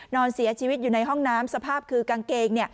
นอนเสียชีวิตอยู่ในห้องน้ำสภาพคือกางเกง